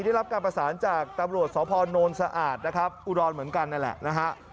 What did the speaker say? ได้รับการประสานจากตำรวจสพนสะอาดนะครับอุดรเหมือนกันนั่นแหละนะฮะ